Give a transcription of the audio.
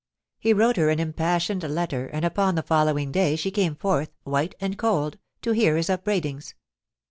He wrote her an im passioned letter, and upon the following day she came forth , white and cold, to hear his upbraidings.